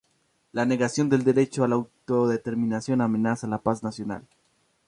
La negación del derecho a la autodeterminación amenaza la paz nacional.